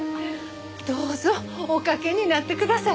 どうぞお掛けになってください。